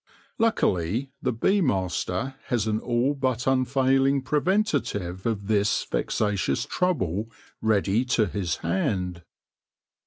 Luckily, the bee master has an all but unfailing preventive of this vexatious trouble ready to his hand.